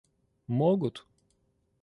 могут